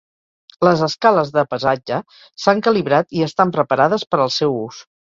Les escales de pesatge s'han calibrat i estan preparades per al seu ús.